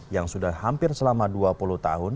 yang sudah hampir selama dua puluh tahun